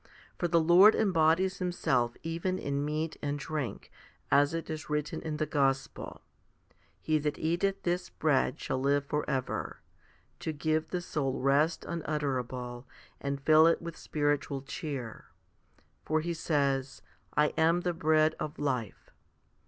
For the Lord embodies Himself even in meat and drink, as it is written in the gospel, Pie that eateth this bread shall live for ever* to give the soul rest unutterable, and fill it with spiritual cheer ; for He says, / am the bread of life.